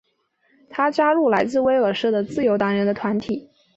他加入来自威尔士的自由党人的团体。